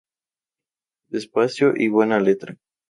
Despacito y buena letra